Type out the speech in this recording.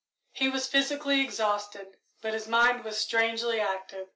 He was physically exhausted, but his mind was strangely active.